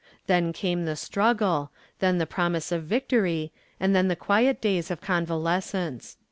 Then came the struggle, then the promise of victory and then the quiet days of convalescence.